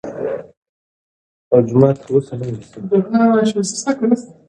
زموږ ليکوالان اوس ډېر پام کوي.